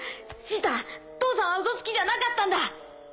シータ父さんはウソつきじゃなかったんだ！